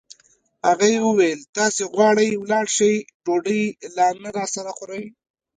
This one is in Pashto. هغې وویل: تاسي غواړئ ولاړ شئ، ډوډۍ لا نه راسره خورئ.